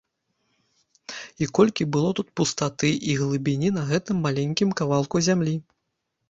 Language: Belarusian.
І колькі было тут і пустаты, і глыбіні на гэтым маленькім кавалку зямлі!